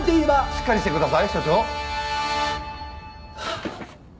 しっかりしてください署長。